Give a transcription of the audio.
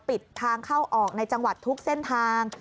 ปิดทางเข้าออกในจังหวัดทุกเส้นทาง